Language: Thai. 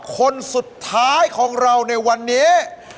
คนสุดท้ายของเราในวันนี้